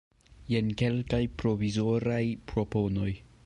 Jen kelkaj provizoraj proponoj.